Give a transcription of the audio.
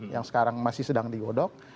yang sekarang masih sedang digodok